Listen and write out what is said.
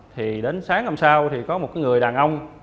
thì đến sáng năm sau thì có một người đàn ông